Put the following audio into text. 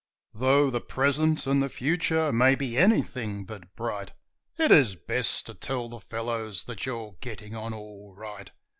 Though the present and the future may be anything but bright. It is best to tell the fellows that you're getting on all right.